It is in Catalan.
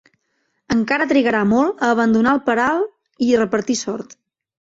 Encara trigarà molt a abandonar el peralt i repartir sort.